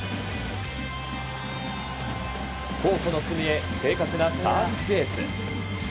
コートの隅へ正確なサービスエース。